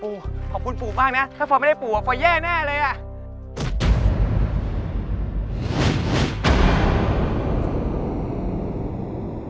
ขอบคุณปู่มากนะถ้าฟอยไม่ได้ปู่อ่ะฟอยแย่แน่เลยอ่ะ